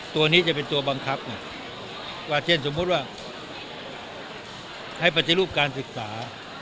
ตัวนี้จะเป็นตัวบังคับไงว่าเช่นสมมุติว่าให้ปฏิรูปการศึกษา